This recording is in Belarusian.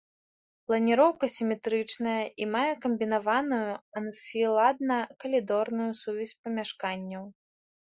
Планіроўка сіметрычная і мае камбінаваную анфіладна-калідорную сувязь памяшканняў.